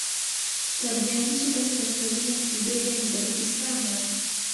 Tabianchi kwenye kaskazini ya Siberia ni baridi sana.